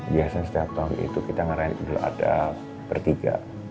biasanya setiap tahun itu kita ngarek dulu ada bertiga